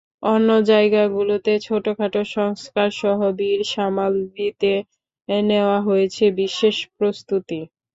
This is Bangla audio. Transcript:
অন্য জায়গাগুলোতে ছোটখাটো সংস্কারসহ ভিড় সামাল দিতে নেওয়া হয়েছে বিশেষ প্রস্তুতি।